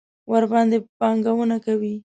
ورباندې پانګونه کوي.